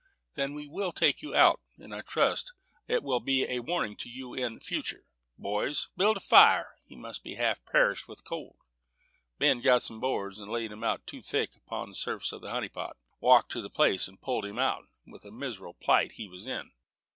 "Then we will take you out; and I trust it will be a warning to you in future. Boys, build up a fire; he must be half perished with cold." Ben got some boards, and laying them two thick upon the surface of the honey pot, walked to the place, and pulled him out; and a miserable plight he was in.